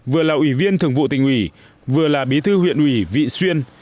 vừa là ủy viên thường vụ tỉnh ủy vừa là bí thư huyện ủy vị xuyên